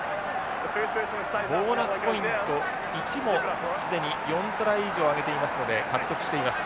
ボーナスポイント１も既に４トライ以上上げていますので獲得しています。